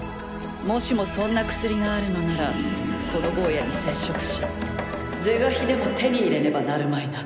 もしもそんな薬があるのならこのボウヤに接触し是が非でも手に入れねばなるまいな。